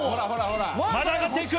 まだ上がっていく。